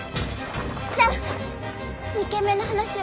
じゃあ２軒目の話は？